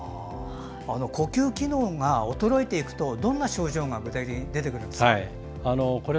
呼吸機能が衰えていくとどんな症状が具体的に出てくるんですか？